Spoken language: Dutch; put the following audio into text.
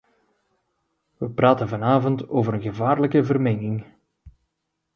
We praten vanavond over een gevaarlijke vermenging.